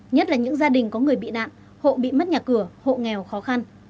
nhất là những gia đình có người bị nạn hộ bị mất nhà cửa hộ nghèo khó khăn